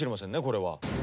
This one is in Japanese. これは。